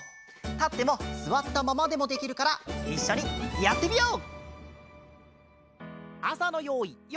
たってもすわったままでもできるからいっしょにやってみよう！